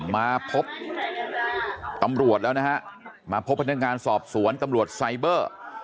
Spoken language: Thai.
มาพบตำรวจแล้วนะฮะมาพบพนักงานสอบสวนตำรวจไซเบอร์